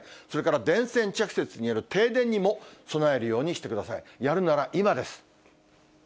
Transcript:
それから電線着雪による停電にも備えるようにしてください。